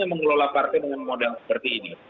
mengelola partai dengan modal seperti ini